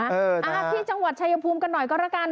อ่าที่จังหวัดชายภูมิกันหน่อยก็แล้วกัน